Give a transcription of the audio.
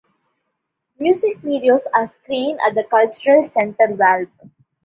Music videos are screened at the Cultural Centre Valve.